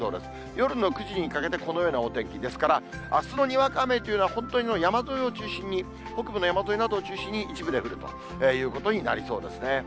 夜の９時にかけて、このようなお天気ですから、あすのにわか雨というのは、本当に山沿いを中心に、北部の山沿いなどを中心に、一部で降るということになりそうですね。